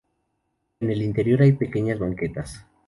En el interior hay pequeñas banquetas.